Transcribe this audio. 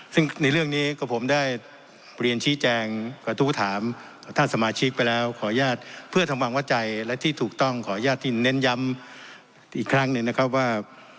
ซึ่งในเรื่องนี้ก็ผมได้เรียนชี้แจงกระทู้ถามท่านสมาชิกไปแล้วขออนุญาตเพื่อทำความวัดใจและที่ถูกต้องขออนุญาตที่เน้นย้ำอีกครั้งหนึ่งนะครับว่า